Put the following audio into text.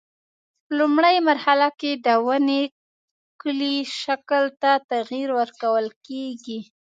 په لومړۍ مرحله کې د ونې کلي شکل ته تغییر ورکول کېږي.